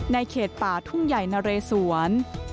เขตป่าทุ่งใหญ่นะเรสวน